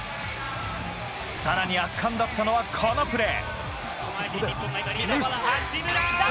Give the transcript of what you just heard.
さらに圧巻だったのはこのプレー。